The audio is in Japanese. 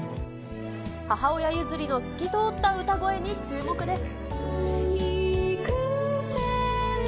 母親譲りの透き通った歌声に注目です。